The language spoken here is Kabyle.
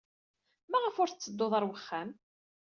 Maɣef ur tetteddud ɣer wexxam?